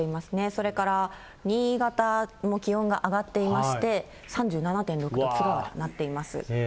それから新潟も気温が上がっていまして、３７．６度、津川はなっています。